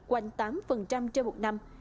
quanh tám trên một năm